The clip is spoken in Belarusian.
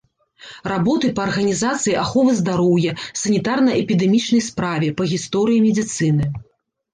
Работы па арганізацыі аховы здароўя, санітарна-эпідэмічнай справе, па гісторыі медыцыны.